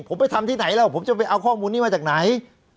ผมไปทำที่ไหนแล้วผมจะไปเอาข้อมูลนี้มาจากไหน